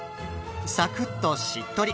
「サクッ」と「しっとり」